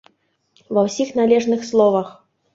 Ва ўсіх належных словах!